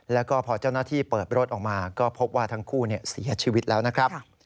แล้วก็พอเจ้าหน้าที่เปิดรถออกมาก็พบว่าทั้งคู่เสียชีวิตแล้วนะครับ